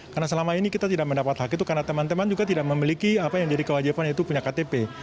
karena selama ini kita tidak mendapat hak itu karena teman teman juga tidak memiliki apa yang jadi kewajiban yaitu punya ktp